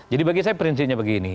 jadi bagi saya prinsipnya begini